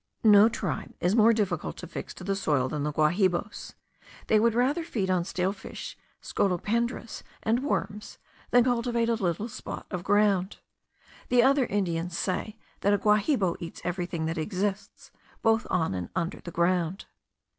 No tribe is more difficult to fix to the soil than the Guahibos. They would rather feed on stale fish, scolopendras, and worms, than cultivate a little spot of ground. The other Indians say, that a Guahibo eats everything that exists, both on and under the ground.